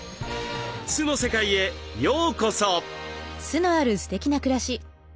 酢の世界へようこそ。